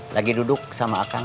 lagi duduk sama akang